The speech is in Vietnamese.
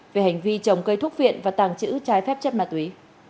về hành vi trồng cây thuốc viện và tàng trữ trái phép chất ma túy